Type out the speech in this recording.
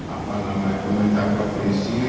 apa namanya komentar provinsi